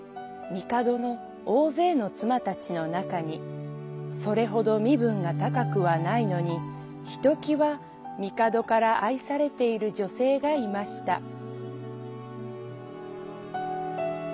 みかどの大勢の妻たちの中にそれほど身分が高くはないのにひときわみかどから愛されている女性がいました」。